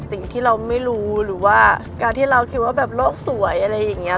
สิ่งที่เราไม่รู้หรือว่าการที่เราคิดว่าแบบโลกสวยอะไรอย่างนี้